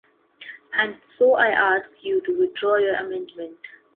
And so I ask you to withdraw your amendment.